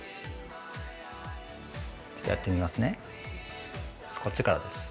ちょっとやってみますね。